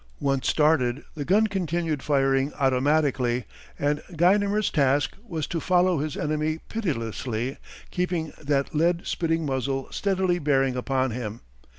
Once started the gun continued firing automatically and Guynemer's task was to follow his enemy pitilessly keeping that lead spitting muzzle steadily bearing upon him.